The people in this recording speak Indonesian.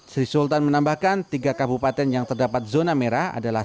sri sultan menambahkan tiga kabupaten yang terdapat zona merah adalah